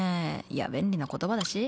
便利な言葉だし。